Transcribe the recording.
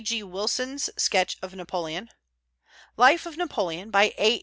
G. Wilson's Sketch of Napoleon; Life of Napoleon, by A.